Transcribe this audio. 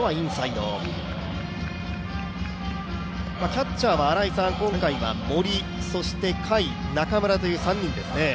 キャッチャーは、今回は森、そして甲斐、中村という３人ですね。